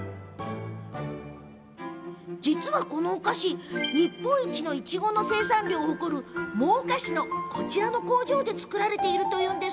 実はこのお菓子日本一のいちごの生産量を誇る真岡市のこちらの工場で作られています。